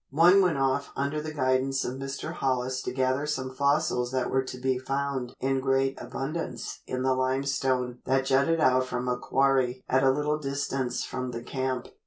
One went off under the guidance of Mr. Hollis to gather some fossils that were to be found in great abundance in the limestone that jutted out from a quarry at a little distance from the camp.